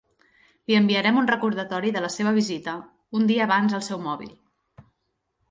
Li enviarem un recordatori de la seva visita un dia abans al seu mòbil.